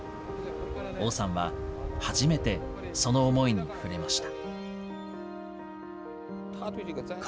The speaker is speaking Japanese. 王さんは初めてその思いに触れました。